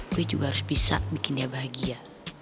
gue juga harus bisa bikin dia bahagia